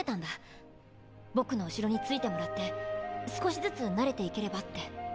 ボクの後ろについてもらって少しずつ慣れていければって。